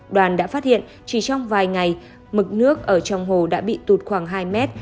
đoàn đã phát hiện chỉ trong vài ngày mực nước ở trong hồ đã bị tụt khoảng hai mét